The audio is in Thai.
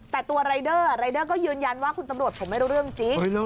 แต่ตัวรายเดอร์รายเดอร์ก็ยืนยันว่าคุณตำรวจผมไม่รู้เรื่องจริง